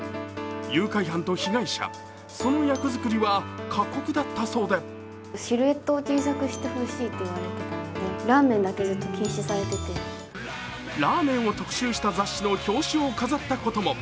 誘拐犯と被害者、その役作りは過酷だったそうでラーメンを特集した雑誌の表紙を飾ったことも。